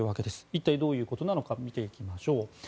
一体どういうことなのか見ていきましょう。